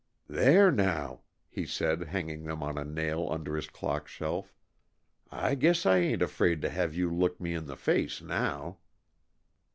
"There, now," he said, hanging them on a nail under his clock shelf, "I guess I ain't afraid to have you look me in the face now."